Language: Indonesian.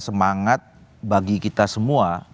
semangat bagi kita semua